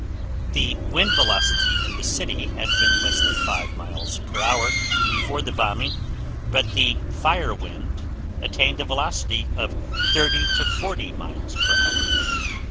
The wind velocity in the city had been less than 5 miles per hour before the bombing, but the fire wind attained a velocity of 30 40 miles per hour.